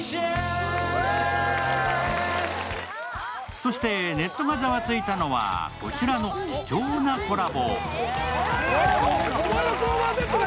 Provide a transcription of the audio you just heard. そしてネットがザワついたのはこちらの貴重なコラボ。